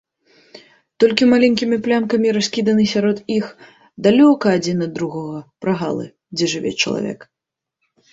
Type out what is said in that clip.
Толькі маленькімі плямкамі раскіданы сярод іх, далёка адзін ад другога, прагалы, дзе жыве чалавек.